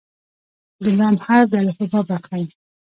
د "ل" حرف د الفبا برخه ده.